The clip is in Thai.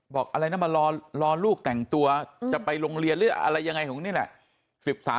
บอกอะไรนะมารอลูกแต่งตัวจะไปโรงเรียนหรืออะไรยังไงของนี่แหละ